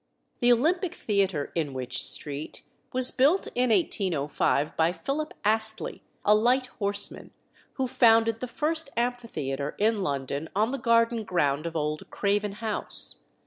The Olympic Theatre, in Wych Street, was built in 1805 by Philip Astley, a light horseman, who founded the first amphitheatre in London on the garden ground of old Craven House.